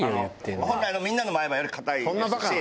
みんなの前歯より硬いですし。